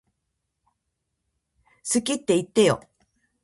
好きって言ってよ